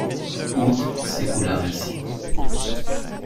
Août s’écoula ainsi.